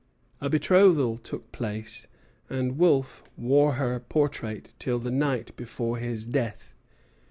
A betrothal took place, and Wolfe wore her portrait till the night before his death.